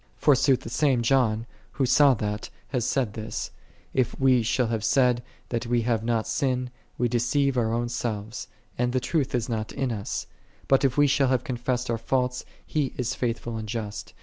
Forsooth the same John, who saw that, hath said this, "If we shall have said that we have not sin, we deceive our own selves, and the truth is not in us; but if we shall have confessed our faults, He is faithful and just, i i Cor.